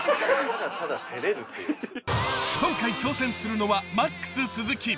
今回挑戦するのはＭＡＸ鈴木。